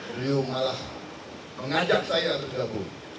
beliau malah mengajak saya bergabung